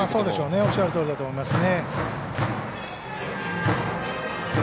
おっしゃるとおりだと思いますね。